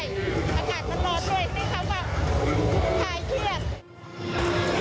นี่เขาก็ทายเครียด